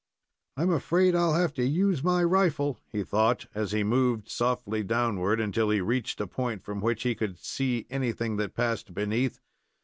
"I'm afraid I'll have to use my rifle," he thought, as he moved softly downward until he reached a point from which he could see anything that passed beneath.